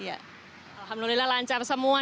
alhamdulillah lancar semua